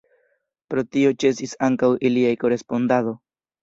Pro tio ĉesis ankaŭ ilia korespondado.